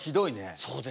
そうですね。